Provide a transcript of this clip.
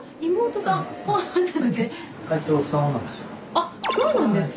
あそうなんですか？